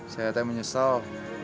saya tak menyesal